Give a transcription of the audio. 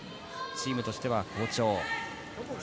チームとしては好調。